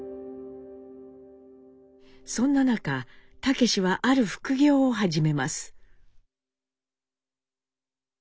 そんな中武はある副業を始めます。